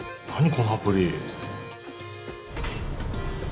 このアプリ。